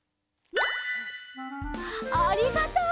ありがとう！